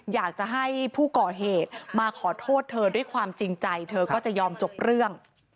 อยากจะให้ผู้ก่อเหตุมาขอโทษเธอด้วยความจริงใจเธอก็จะยอมจบเรื่อง